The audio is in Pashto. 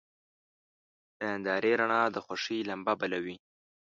د نندارې رڼا د خوښۍ لمبه بله وي.